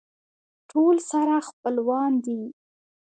ټول سره خپلوان دي.